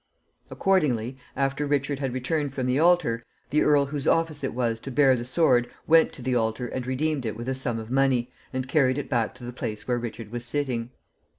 Accordingly, after Richard had returned from the altar, the earl whose office it was to bear the sword went to the altar and redeemed it with a sum of money, and carried it back to the place where Richard was sitting.